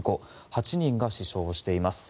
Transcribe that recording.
８人が死傷しています。